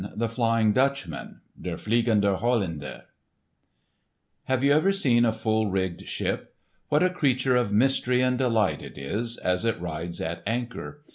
*The Flying Dutchman* (Der Fliegende Hollander) Have you ever seen a full rigged ship? What a creature of mystery and delight it is, as it rides at anchor!